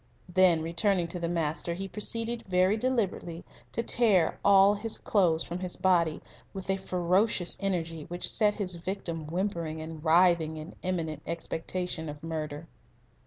Then, returning to the master, he proceeded very deliberately to tear all his clothes from his body with a ferocious energy which set his victim whimpering and writhing in imminent expectation of murder.